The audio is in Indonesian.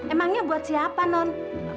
emangnya buat siapa non